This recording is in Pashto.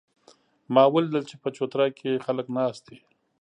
ما ولیدل چې په چوتره کې خلک ناست دي